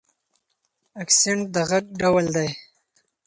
اکسنټ د غږ ډول دی.